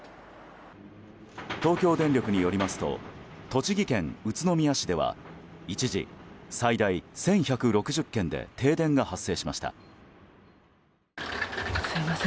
東京電力によりますと栃木県宇都宮市では一時最大１１６０軒で停電が発生しました。